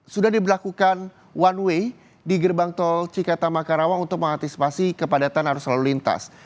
sudah diberlakukan one way di gerbang tol cikatama karawang untuk mengantisipasi kepadatan arus lalu lintas